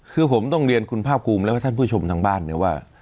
คือผมต้องเรียนคุณภาคภูมิแล้วก็ท่านผู้ชมทางบ้านเนี่ยว่า